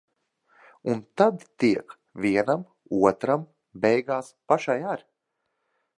Un tad tiek. Vienam, otram, beigās pašai ar.